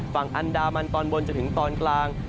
ฝั่งอันดามันตอนบนจนถึงตอนกลาง